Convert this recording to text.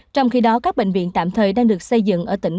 trong khi đó các bệnh viện tạm thời đang được xây dựng ở tỉnh